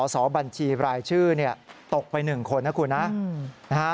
สอบบัญชีรายชื่อตกไป๑คนนะคุณนะ